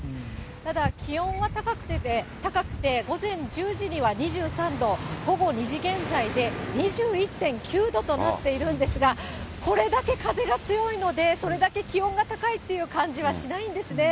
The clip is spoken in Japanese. ただ、気温は高くて、午前１０時には２３度、午後２時現在で２１．９度となっているんですが、これだけ風が強いので、それだけ気温が高いっていう感じはしないんですね。